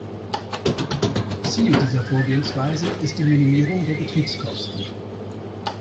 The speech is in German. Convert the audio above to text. Ziel dieser Vorgehensweise ist die Minimierung der Betriebskosten.